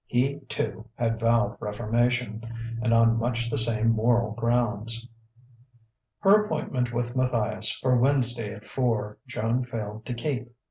He, too, had vowed reformation, and on much the same moral grounds. Her appointment with Matthias, for Wednesday at four, Joan failed to keep.